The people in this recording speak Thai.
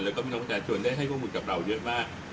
แล้วก็พี่น้องประชาชนได้ให้ข้อมูลกับเราเยอะมาก